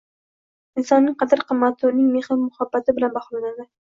Insonning qadr-qimmati uning mehr oqibati bilan baholanadi